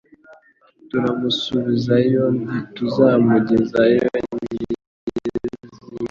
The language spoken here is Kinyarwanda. Turamusubizayo ntituzamugezayo n'izi ngemu